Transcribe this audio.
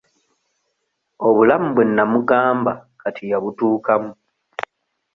Obulamu bwe nnamugamba kati yabutuukamu.